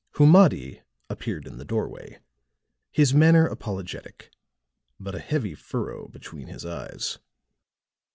Humadi appeared in the doorway, his manner apologetic, but a heavy furrow between his eyes.